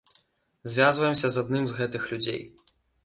Звязваемся з адным з гэтых людзей.